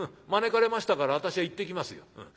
招かれましたから私は行ってきますよ。